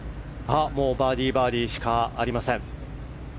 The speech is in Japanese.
もうバーディー、バーディーしかありません。